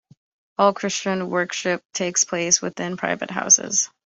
All Christian worship takes place within private houses.